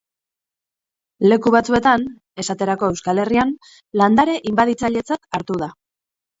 Leku batzuetan, esaterako Euskal Herrian, landare inbaditzailetzat hartu da.